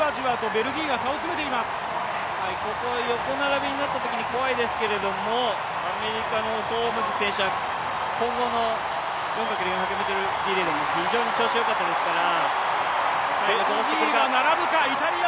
ここ、横並びになったときに怖いですけども、アメリカのホームズ選手は混合の４×４００ｍリレーでも非常に調子がよかったですから。